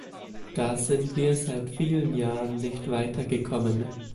Da sind wir seit vielen Jahren nicht weitergekommen.